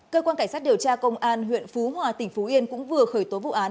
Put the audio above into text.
cơ quan cảnh sát điều tra công an huyện phú hòa tỉnh phú yên cũng vừa khởi tố vụ án